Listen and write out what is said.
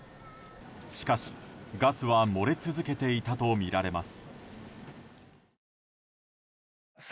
しかし、ガスは漏れ続けていたとみられます。